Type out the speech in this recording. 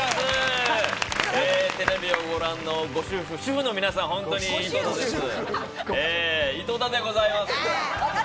テレビをご覧の主婦の皆さん、本当にどうもです、井戸田でございます。